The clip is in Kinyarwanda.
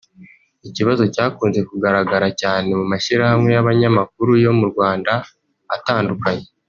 Ikibazo cyakunze kugaragara cyane mu mashyirahamwe y’abanyamakuru yo mu Rwanda atandukanye